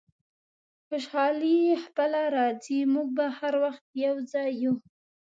خوشحالي خپله راځي، موږ به هر وخت یو ځای یو.